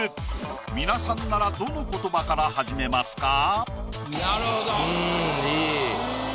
皆さんならどの言葉から始めますか？